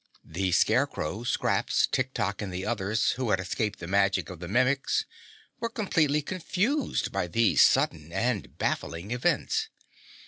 The Scarecrow, Scraps, Tik Tok and the others who had escaped the magic of the Mimics were completely confused by these sudden and baffling events.